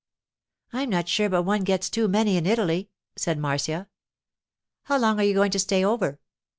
'I'm not sure but one gets too many in Italy,' said Marcia. 'How long are you going to stay over?